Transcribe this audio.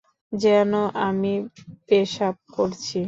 যেন আমি পেশাব করছি।